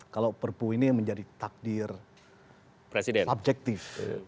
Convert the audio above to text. kalau perpu ini menjadi takdir subjektif